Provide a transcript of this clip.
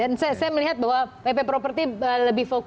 dan saya melihat bahwa pp property lebih fokus